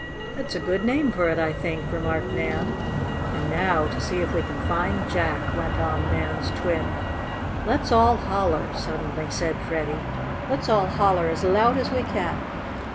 "That's a good name for it, I think," remarked Nan. "And now to see if we can find Jack!" went on Nan's twin. "Let's all holler!" suddenly said Freddie. "Let's all holler as loud as we can!"